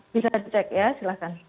bisa dicek ya silahkan